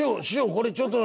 これちょっと」。